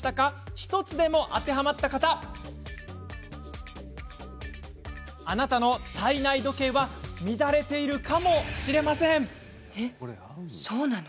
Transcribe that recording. １つでも当てはまった方あなたの体内時計は乱れているかもしれません。